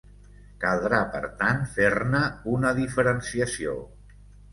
Caldrà, per tant, fer-ne una diferenciació.